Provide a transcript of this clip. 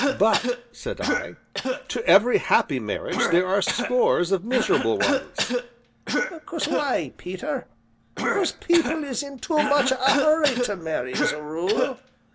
"But," said I, "to every happy marriage there are scores of miserable ones." "'Cause why, Peter? 'Cause people is in too much o' a hurry to marry, as a rule.